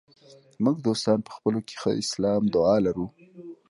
موږ دوستان په خپلو کې ښه سلام دعا لرو.